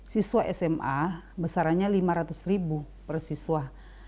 siswa sma besarnya lima ratus ribu persiswa